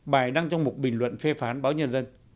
bài đăng trong một bình luận phê phán báo nhân dân